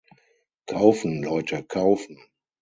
Kaufen, Leute, kaufen!